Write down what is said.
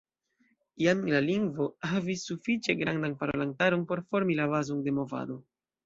Jam la lingvo havis sufiĉe grandan parolantaron por formi la bazon de movado.